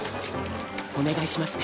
お願いしますね